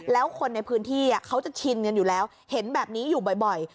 แล้วคนในพื้นที่เขาจะชินกันอยู่แล้วเห็นแบบนี้อยู่บ่อย